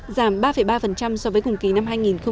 giảm ba ba so với cùng kỳ năm hai nghìn một mươi chín